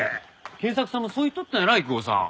賢作さんもそう言っとったんやら郁夫さん。